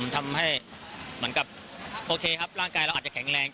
ทำให้เหมือนกับโอเคครับร่างกายเราอาจจะแข็งแรง